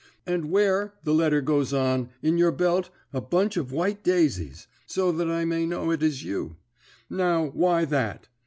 "And wear," the letter goes on, "in your belt a bunch of white daisies, so that I may know it is you." Now, why that?